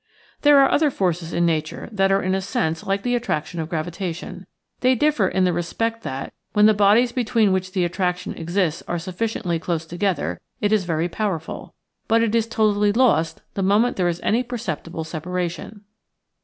There are other forces in nature that are in a sense like the attraction of gravitation. They differ in the respect that, when the bodies between which the attraction exists are sufficiently close together, it is very powerful ; but it is totally lost the moment there is any perceptible separation.